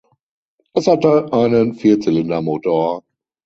Es hatte einen Vierzylindermotor.